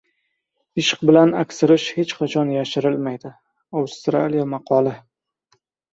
Ishq bilan aksirish hech qachon yashirilmaydi. Avstraliya maqoli